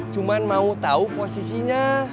cuma mau tahu posisinya